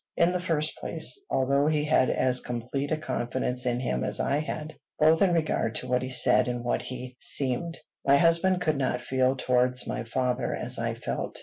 In the first place, although he had as complete a confidence in him as I had, both in regard to what he said and what he seemed, my husband could not feel towards my father as I felt.